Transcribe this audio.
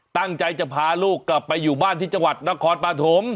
ตั้งใจจะพาลูกกลับไปอยู่บ้านที่จังหวัดนครปฐม